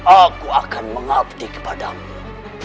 aku akan mengabdi kepadamu